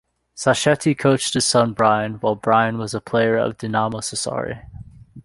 Sacchetti coached his son Brian, while Brian was a player of Dinamo Sassari.